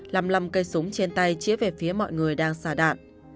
lầm lầm cây súng trên tay chỉa về phía mọi người đang xà đạn